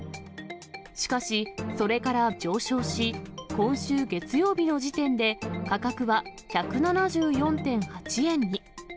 しかし、それから上昇し、今週月曜日の時点で、価格は１７４．８円に。